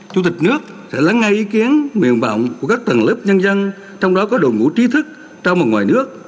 chủ tịch nước sẽ lắng ngay ý kiến nguyện vọng của các tầng lớp nhân dân trong đó có đội ngũ trí thức trong và ngoài nước